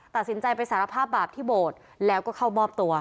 ตัดสินใจไปสารภาพบาปที่โบสถ์แล้วก็เข้ามอบตัว